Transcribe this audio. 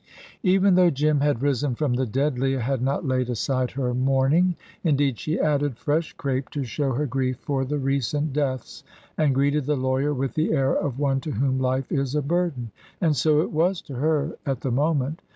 Even though Jim had risen from the dead, Leah had not laid aside her mourning. Indeed, she added fresh crape to show her grief for the recent deaths, and greeted the lawyer with the air of one to whom life is a burden. And so it was to her, at the moment.